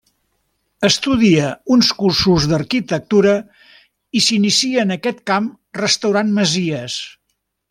Estudia uns cursos d'arquitectura i s'inicia en aquest camp restaurant masies.